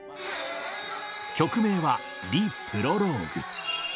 曲名は、Ｒｅ：プロローグ。